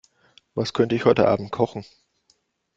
Was könnte ich heute Abend kochen?